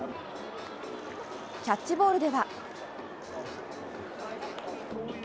キャッチボールでは。